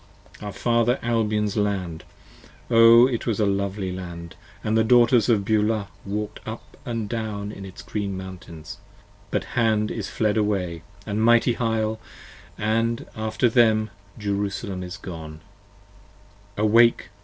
85 Our Father Albion's land: O, it was a lovely land! & the Daughters of Beulah Walked up and down in its green mountains; but Hand is fled 87 Away, & mighty Hyle; & after them Jerusalem is gone: Awake p.